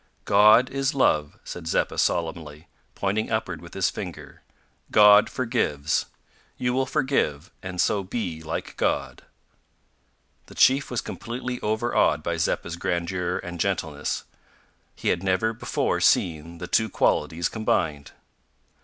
"God is love," said Zeppa solemnly, pointing upward with his finger. "God forgives. You will forgive, and so be like God." The chief was completely overawed by Zeppa's grandeur and gentleness. He had never before seen the two qualities combined.